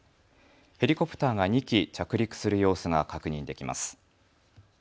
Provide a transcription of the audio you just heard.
ヘリコプターが２機着陸する様子が確認できます。